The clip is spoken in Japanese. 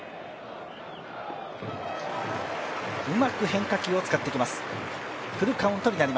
うまく変化球を使っていきます。